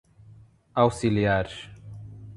auxiliares